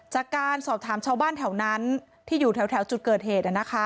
จากการสอบถามชาวบ้านแถวนั้นที่อยู่แถวจุดเกิดเหตุ